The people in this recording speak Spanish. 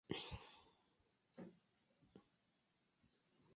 Construye el nido en lugares retirados, entre vegetación alta o entre troncos de árboles.